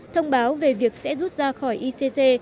thông báo về việc sẽ rút ra khỏi icc